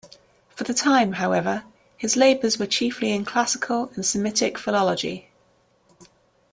For the time, however, his labours were chiefly in classical and Semitic philology.